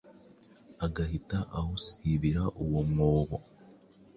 agahita awusibira uwo mwobo